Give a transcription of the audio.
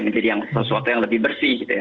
menjadi sesuatu yang lebih bersih gitu ya